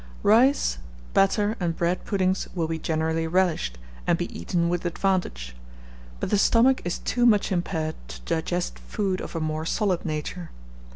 Rice, batter, and bread puddings will be generally relished, and be eaten with advantage; but the stomach is too much impaired to digest food of a more solid nature.